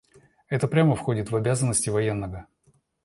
Это прямо входит в обязанности военного.